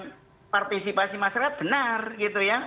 karena partisipasi masyarakat benar gitu ya